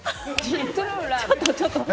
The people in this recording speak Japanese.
ちょっと。